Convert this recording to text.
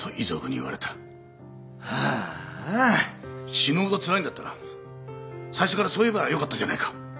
死ぬほどつらいんだったら最初からそう言えばよかったじゃないか。